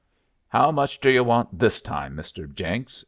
"How much d'yer want this time, Mr. Jenks?"